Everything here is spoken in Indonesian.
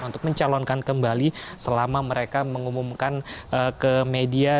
untuk mencalonkan kembali selama mereka mengumumkan ke media